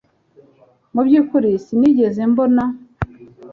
Mubyukuri sinigeze mbona